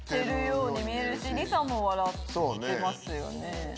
ように見えるしりさも笑ってますよね。